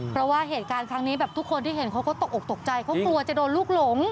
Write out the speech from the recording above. เพราะว่าเหตุการณ์ครั้งนี้แบบทุกคนที่เห็นเขาก็ตกออกตกใจเขากลัวจะโดนลูกหลง